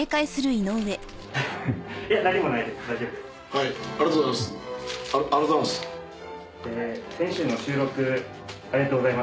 はい。